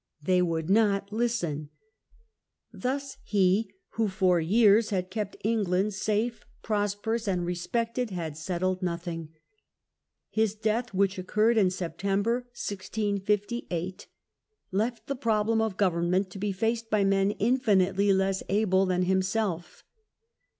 They would not listen. Thus he who for years had kept England safe, pros perous, and respected, had settled nothing. His death, which occurred in September, 1658, left the Death of the problem of government to be faced by men Protector, infinitely less able than himself.